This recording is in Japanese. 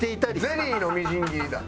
ゼリーのみじん切りだ。